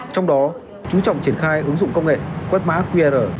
trong đó chú trọng triển khai ứng dụng công nghệ quét mã qr